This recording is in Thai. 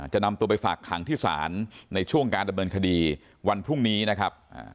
นำตัวไปฝากขังที่ศาลในช่วงการดำเนินคดีวันพรุ่งนี้นะครับ